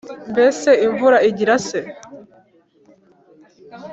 Mbese imvura igira se